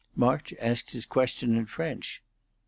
March asked his question in French.